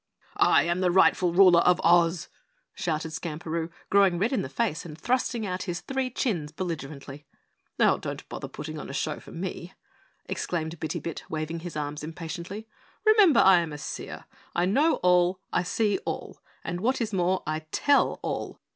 "I am the rightful ruler of Oz!" shouted Skamperoo, growing red in the face and thrusting out his three chins belligerently. "Oh, don't bother putting on a show for me," exclaimed Bitty Bit, waving his arms impatiently. "Remember, I am a Seer, I know all, I see all, and what is more, I TELL ALL!